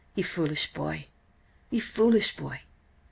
"Ye foolish boy! Ye foolish boy!"